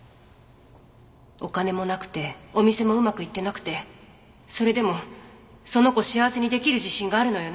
お金もなくてお店もうまくいってなくてそれでもその子幸せに出来る自信があるのよね？